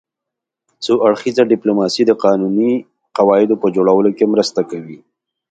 څو اړخیزه ډیپلوماسي د قانوني قواعدو په جوړولو کې مرسته کوي